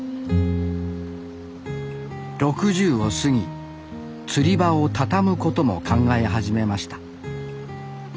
６０を過ぎ釣り場を畳むことも考え始めました